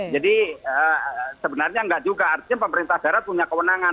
jadi sebenarnya nggak juga artinya pemerintah daerah punya kewenangan